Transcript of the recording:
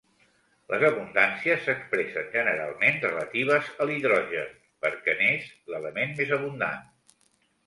Les abundàncies s'expressen generalment relatives a l'hidrogen perquè n'és l'element més abundant.